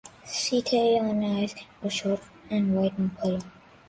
Setae on eyes are short and white in color.